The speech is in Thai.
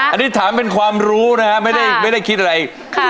อันนี้ถามเป็นความรู้นะฮะไม่ได้คิดอะไร